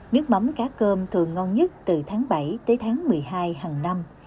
nước mắm cá cơm thường ngon nhất từ tháng bảy tới tháng một mươi hai hàng năm